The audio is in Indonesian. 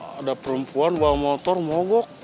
ada perempuan bawa motor mogok